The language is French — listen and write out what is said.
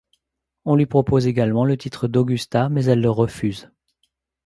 On lui propose également le titre d’Augusta mais elle le refuse.